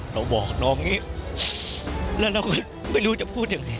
บอกน้องอย่างนี้แล้วเราก็ไม่รู้จะพูดยังไง